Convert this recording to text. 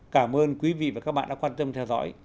cảm ơn quý vị và các bạn đã quan tâm theo dõi